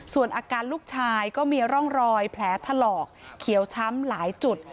ส่วนอาการลูกชายก็มีร่องรอยแผลถลอกเขียวช้ำหลายจุด